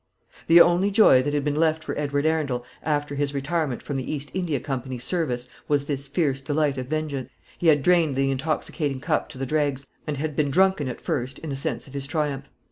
The only joy that had been left for Edward Arundel after his retirement from the East India Company's service was this fierce delight of vengeance. He had drained the intoxicating cup to the dregs, and had been drunken at first in the sense of his triumph.